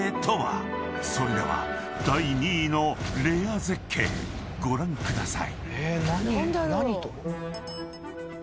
［それでは第２位のレア絶景ご覧ください］